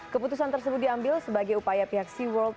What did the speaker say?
keputusan tersebut diambil sebagai upaya pihak seaworld